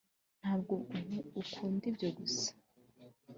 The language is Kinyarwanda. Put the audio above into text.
ntabwo ukunda ibyo gusa?